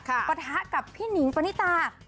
ปะทะกับพี่หนิงปณิตา